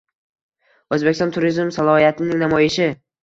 O‘zbekiston turizm salohiyatining namoyishi